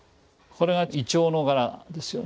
これは銀杏の柄ですよね。